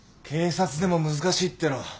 警察でも難しいっての。